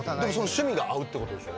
趣味が合うってことでしょ。